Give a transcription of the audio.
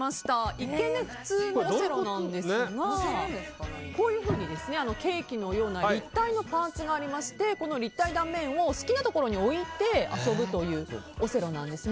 一見普通のオセロなんですがこういうふうにケーキのような立体のパーツがありましてこの立体断面を好きなところに置いて遊ぶというオセロなんですね。